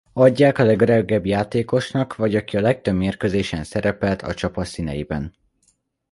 Adják a legöregebb játékosnak vagy aki a legtöbb mérkőzésen szerepelt a csapat színeiben.